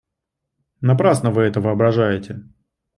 Напрасно вы это воображаете.